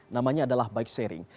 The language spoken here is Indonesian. namanya adalah bike sharing